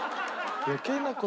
余計な事？